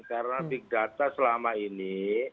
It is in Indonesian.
karena big data selama ini